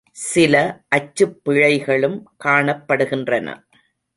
சில அச்சுப் பிழைகளும் காணப்படுகின்றன.